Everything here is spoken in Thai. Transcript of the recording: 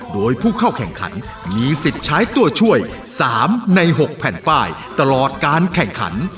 โดยผู้เข้าแข่งขันมีสิทธิ์ใช้ตัวช่วย๓ใน๖แผ่นป้ายตลอดการแข่งขัน